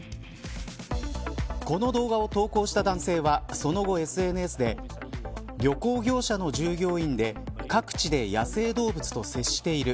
この動画を投稿した男性はその後、ＳＮＳで旅行業者の従業員で各地で野生動物と接している。